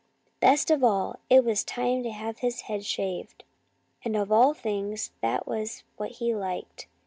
Best of all, it was time to have his head shaved, and of all things that was what he liked.